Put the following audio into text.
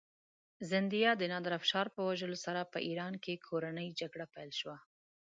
زندیه د نادرافشار په وژلو سره په ایران کې کورنۍ جګړه پیل شوه.